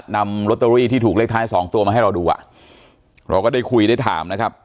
นำลอตเตอรี่ที่ถูกเลขท้ายสองตัวมาให้เราดูอ่ะเราก็ได้คุยได้ถามนะครับ